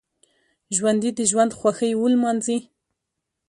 ژوندي د ژوند خوښۍ ولمانځي